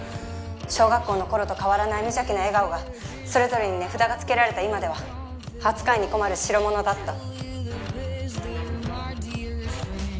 小学校の頃と変わらない無邪気な笑顔がそれぞれに値札がつけられた今では扱いに困るしろものだった。